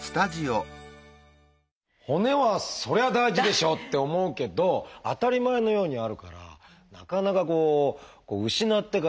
骨はそりゃ大事でしょって思うけど当たり前のようにあるからなかなかこう失ってからでないと